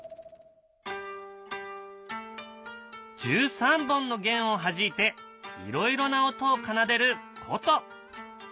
１３本の弦をはじいていろいろな音を奏でること。